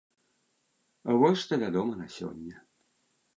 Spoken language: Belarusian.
Вось што вядома на сёння.